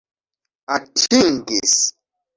atingis